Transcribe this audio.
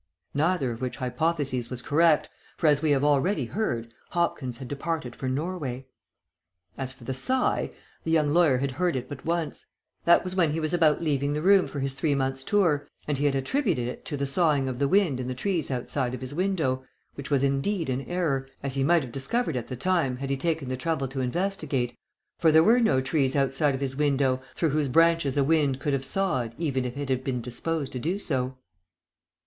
Neither of which hypotheses was correct, for as we have already heard, Hopkins had departed for Norway. As for the sigh, the young lawyer had heard it but once. That was when he was about leaving the room for his three months' tour, and he had attributed it to the soughing of the wind in the trees outside of his window, which was indeed an error, as he might have discovered at the time had he taken the trouble to investigate, for there were no trees outside of his window through whose branches a wind could have soughed even if it had been disposed to do so.